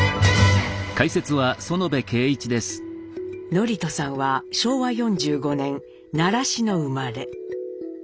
智人さんは昭和４５年奈良市の生まれ。